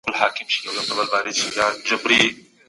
مشران تل په جرګو کي سوله راولي.